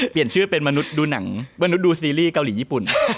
เปลี่ยนชื่อเป็นมนุษย์ดูสีรีส์เกาหลีญี่ปุ่น